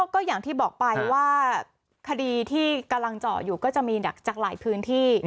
ก็อย่างที่บอกไปว่าคดีที่กำลังเจาะอยู่ก็จะมีจากหลายพื้นที่